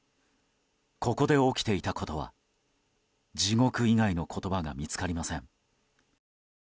ここで起きていたことは地獄以外の言葉が見つかりません。